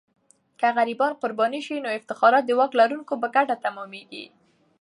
که غریبان قرباني سي، نو افتخارات د واک لرونکو په ګټه تمامیږي.